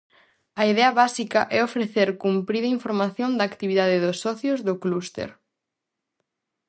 A idea básica é ofrecer cumprida información da actividade dos socios do Cluster.